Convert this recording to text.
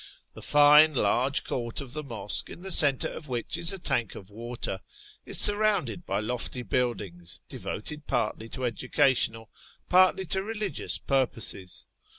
The fine large court of the mosque, in the centre of which is a tank of water, is surrounded by lofty buildings, devoted partly to educational, partly to religious purposes.